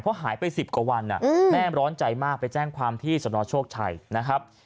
เพราะหายไป๑๐กว่าวันแม่ร้อนใจมากไปแจ้งความที่สนโชคชัยนะครับ